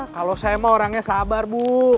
kalau saya mah orangnya sabar bu